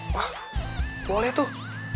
wah boleh tuh